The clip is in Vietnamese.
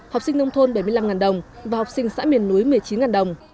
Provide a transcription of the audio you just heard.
học sinh nông thôn bảy mươi năm đồng và học sinh xã miền núi một mươi chín đồng